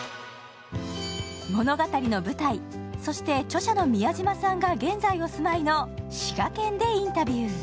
物語の舞台、そして著者の宮島さんが現在お住まいの滋賀県でインタビュー。